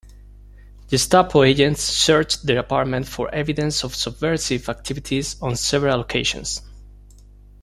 Gestapo agents searched their apartment for evidence of subversive activities on several occasions.